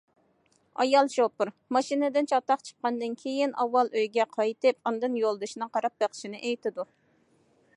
ئايال شوپۇر: ماشىنىدىن چاتاق چىققاندىن كېيىن، ئاۋۋال ئۆيگە قايتىپ، ئاندىن يولدىشىنىڭ قاراپ بېقىشىنى ئېيتىدۇ.